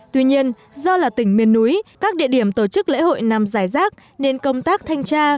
tuy nhiên do là tỉnh miền núi các địa điểm tổ chức lễ hội nằm giải rác nên công tác thanh tra